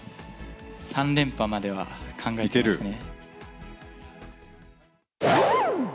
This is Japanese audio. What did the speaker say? ３連覇までは考えてますね。